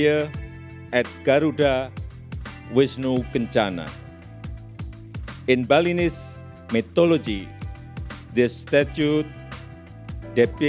peraturan depikasi cinta tanggung jawab